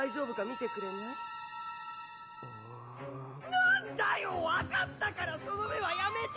燭世茵分かったからその目はやめて！